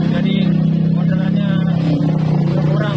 jadi modelannya kurang